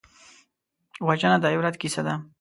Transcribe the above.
وژنه د عبرت کیسه ده